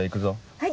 はい！